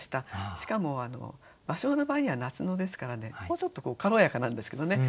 しかも芭蕉の場合には「夏野」ですからもうちょっと軽やかなんですけどね